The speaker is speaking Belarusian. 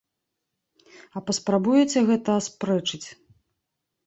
А паспрабуеце гэта аспрэчыць?